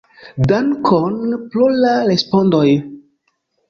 Dankon pro la respondoj!